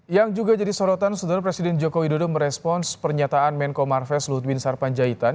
yang juga jadi sorotan setelah presiden joko widodo merespons pernyataan menko marves lutwin sarpanjaitan